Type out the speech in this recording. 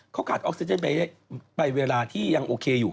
เขาขาดออกซิเจนไปเวลาที่ยังโอเคอยู่